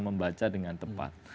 membaca dengan tepat